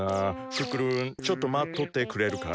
クックルンちょっと待っとってくれるかい？